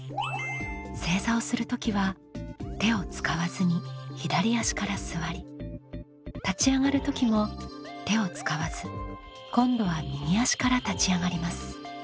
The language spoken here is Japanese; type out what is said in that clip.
正座をする時は手を使わずに左足から座り立ち上がる時も手を使わず今度は右足から立ち上がります。